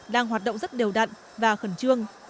đang hoạt động rất đều đặn và khẩn trương